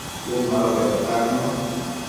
Cun mado bedtannu